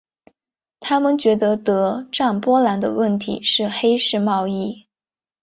他们觉得德占波兰的问题是黑市贸易。